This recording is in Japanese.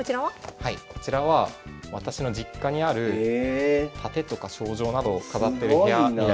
こちらは私の実家にある盾とか賞状などを飾ってる部屋になります。